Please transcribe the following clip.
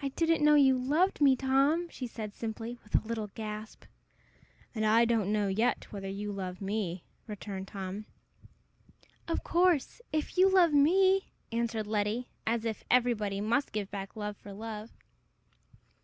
"I didn't know you loved me, Tom!" she said, simply, with a little gasp. "And I don't know yet whether you love me," returned Tom. "Of course, if you love me," answered Letty, as if everybody must give back love for love.